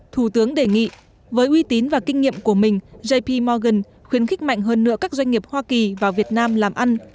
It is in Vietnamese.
thủ tướng đề nghị với uy tín và kinh nghiệm của mình jp morgan khuyến khích mạnh hơn nữa các doanh nghiệp hoa kỳ vào việt nam làm ăn